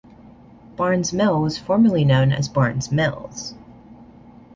Barnes Mill was formerly known as Barnes Mills.